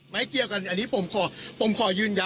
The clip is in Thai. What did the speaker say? ไม่เกี่ยวกันอันนี้ผมขอผมขอยืนยัน